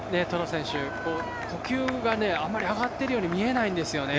呼吸があんまり上がっているように見えないんですよね。